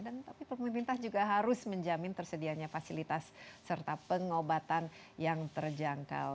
dan tapi pemerintah juga harus menjamin tersedianya fasilitas serta pengobatan yang terjangkau